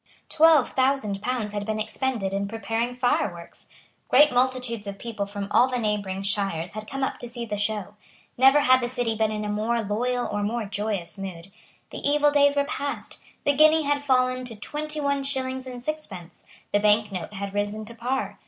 Twelve thousand pounds had been expended in preparing fireworks. Great multitudes of people from all the neighbouring shires had come up to see the show. Never had the City been in a more loyal or more joyous mood. The evil days were past. The guinea had fallen to twenty one shillings and sixpence. The bank note had risen to par.